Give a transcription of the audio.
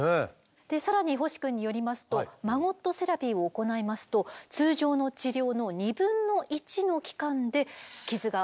更に星くんによりますとマゴットセラピーを行いますと通常の治療の２分の１の期間で傷が治る可能性があるということです。